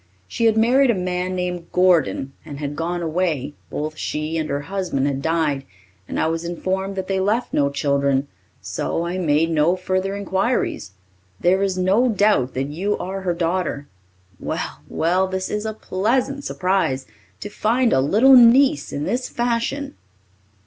She had married a man named Gordon and had gone away, both she and her husband had died, and I was informed that they left no children, so I made no further inquiries. There is no doubt that you are her daughter. Well, well, this is a pleasant surprise, to find a little niece in this fashion!"